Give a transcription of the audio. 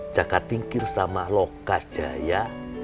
jaga tingkir sama lokajaya